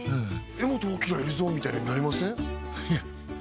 柄本明いるぞみたいになりません？